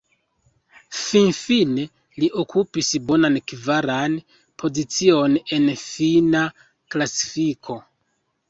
Finfine li okupis bonan, kvaran pozicion en fina klasifiko.